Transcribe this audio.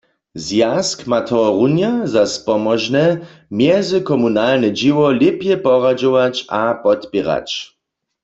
Zwjazk ma tohorunja za spomóžne, mjezykomunalne dźěło lěpje poradźować a podpěrać.